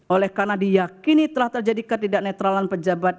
oleh karena diyakini telah terjadi ketidaknetralan pejabat